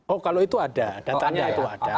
oh kalau itu ada datanya itu ada